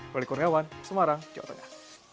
roli kurniawan semarang jawa tengah